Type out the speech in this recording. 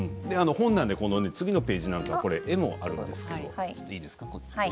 本なので次のページなんかは絵もあるんですけどね。